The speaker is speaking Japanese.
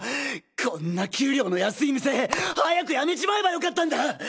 こんな給料の安い店早く辞めちまえば良かったんだ！